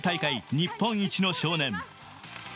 日本一の少年。